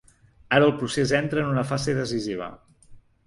Ara el procés entra en una fase decisiva.